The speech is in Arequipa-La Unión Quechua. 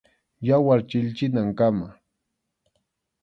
Yawar chilchinankama.